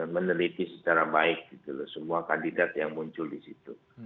meneliti secara baik gitu loh semua kandidat yang muncul di situ